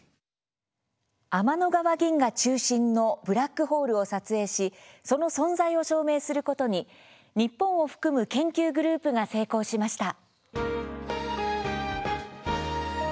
天の川銀河中心のブラックホールを撮影しその存在を証明することに日本を含む研究グループが成功しました。